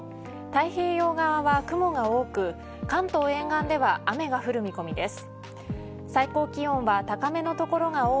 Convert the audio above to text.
太平洋側は雲が多く関東沿岸では雨が降る見込みです。